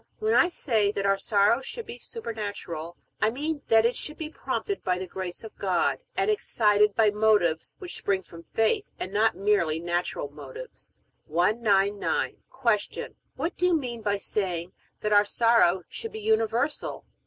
When I say that our sorrow should be supernatural, I mean that it should be prompted by the grace of God, and excited by motives which spring from faith, and not by merely natural motives. 199. Q. What do you mean by saying that our sorrow should be universal?